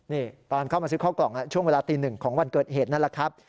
นี่ตอนเข้ามาซื้อข้าวกล่องช่วงเวลาตีหนึ่งของวันเกิดเหตุนั่นแหละครับ